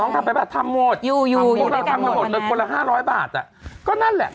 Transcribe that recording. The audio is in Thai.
ทำเกี่ยวเป็นคนละ๕๐๐